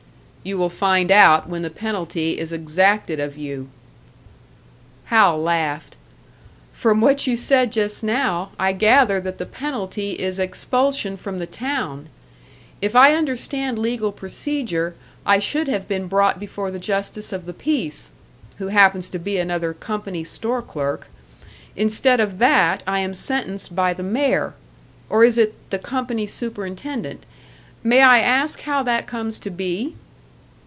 "You will find out when the penalty is exacted of you." Hal laughed. "From what you said just now, I gather that the penalty is expulsion from the town! If I understand legal procedure, I should have been brought before the justice of the peace who happens to be another company store clerk. Instead of that, I am sentenced by the mayor or is it the company superintendent? May I ask how that comes to be?"